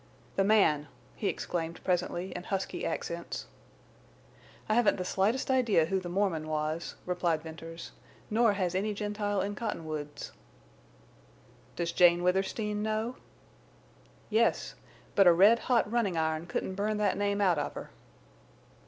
"The man!" he exclaimed, presently, in husky accents. "I haven't the slightest idea who the Mormon was," replied Venters; "nor has any Gentile in Cottonwoods." "Does Jane Withersteen know?" "Yes. But a red hot running iron couldn't burn that name out of her!"